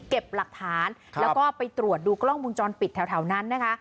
หลักฐานแล้วก็ไปตรวจดูกล้องมุมจรปิดแถวนั้นนะคะ